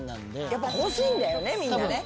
やっぱ欲しいんだよねみんなね。